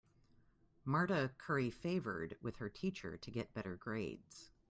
Marta curry favored with her teacher to get better grades.